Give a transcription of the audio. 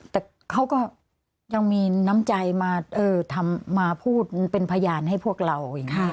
แต่เขาก็ยังมีน้ำใจมาพูดเป็นพยานให้พวกเราอย่างนี้